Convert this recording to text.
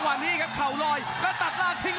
วง